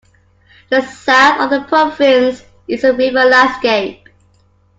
The south of the province is a river landscape.